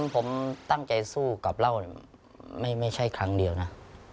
ผมตั้งใจสู้กับเล่าไม่ใช่ครั้งเดียวนะ